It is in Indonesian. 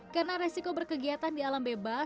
karena resiko berkegiatan di alam bebas